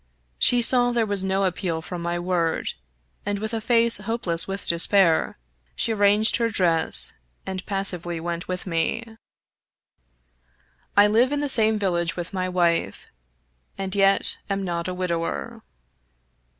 She saw there was no appeal from my word, and with a face hopeless with despair she arranged her dress and passively went with me. 68 Fitzjames O'Brien I live in the same village with my wife, and yet am a widower.